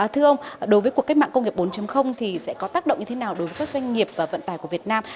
thưa ông đối với cuộc cách mạng công nghiệp bốn thì sẽ có tác động như thế nào đối với các doanh nghiệp vận tài của việt nam